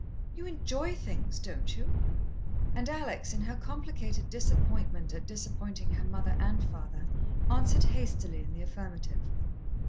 You enjoy things, don't you?" And Alex, in her complicated disappointment at disappointing her mother and father, answered hastily in the affirmative.